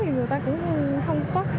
người ta cũng không có